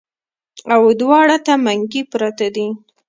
او دواړو ته منګي پراتۀ دي